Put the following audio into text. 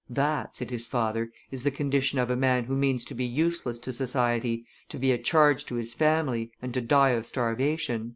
"That," said his father, "is the condition of a man who means to be useless to society, to be a charge to his family, and to die of starvation."